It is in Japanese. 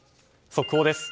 速報です。